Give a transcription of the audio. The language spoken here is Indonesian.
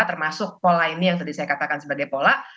termasuk pola ini yang tadi saya katakan sebagai pola